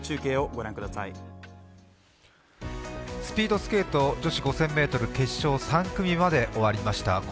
スピードスケート女子５０００ｍ決勝３組目まで終わりました。